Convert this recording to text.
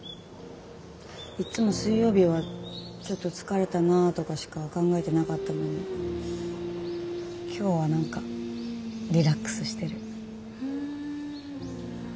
いっつも水曜日はちょっと疲れたなとかしか考えてなかったのに今日は何かリラックスしてる。